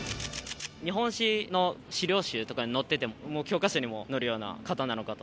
日本史の資料集とかにも載ってて、もう教科書にも載るような方なのかと。